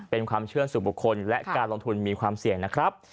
เป็นความเชื่อสู่บุคคลและการลงทุนมีความเสี่ยงนะครับ